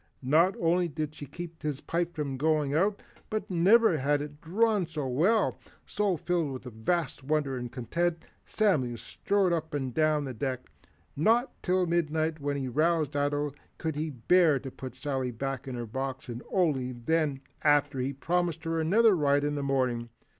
Not only did she keep his pipe from going out, but never had it drawn so well. So, filled with a vast wonder and content, Samuel strode up and down the deck. Not till midnight when he roused Ato could he bear to put Sally back in her box and only then, after he had promised her another ride in the morning.